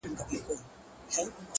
o يــاره مـدعـا يــې خوښه ســـوېده؛